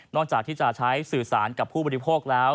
จากที่จะใช้สื่อสารกับผู้บริโภคแล้ว